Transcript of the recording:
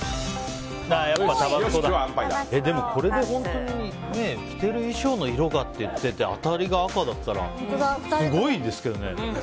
でも、これで本当に着ている衣装の色がって言ってて当たりが赤だったらすごいですけどね。